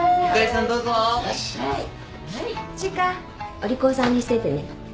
お利口さんにしていてね。